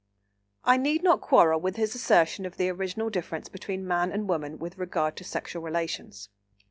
I need not quarrel with his assertion of the original difference between man and woman with regard to sexual relations.